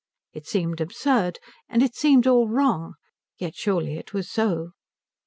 It seemed absurd, and it seemed all wrong; yet surely it was so.